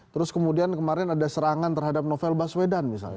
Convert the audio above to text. terus kemudian kemarin ada serangan terhadap novel baswedan misalnya